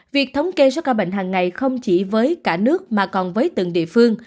việc thống kê số ca bệnh hàng ngày không chỉ với cả nước mà còn với từng địa phương